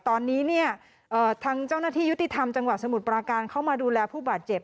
ตอนนี้เนี่ยทางเจ้าหน้าที่ยุติธรรมจังหวัดสมุทรปราการเข้ามาดูแลผู้บาดเจ็บ